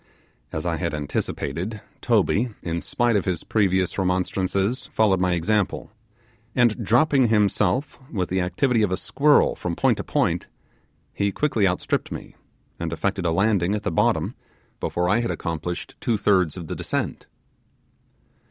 As I had anticipated, Toby, in spite of his previous remonstrances, followed my example, and dropping himself with the activity of a squirrel from point to point, he quickly outstripped me and effected a landing at the bottom before I had accomplished two thirds of the descent.